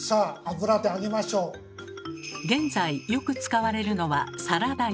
現在よく使われるのは「サラダ油」。